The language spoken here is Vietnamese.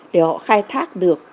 để họ khai thác được